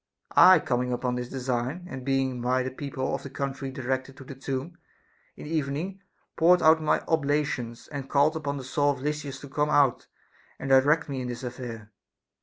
I coming upon this design, and being by the people of the country directed to the tomb, in the evening poured out my oblations, and called upon the soul of Lysis to come out and direct me in this affair.